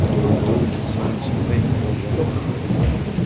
The building's design was acclaimed worldwide.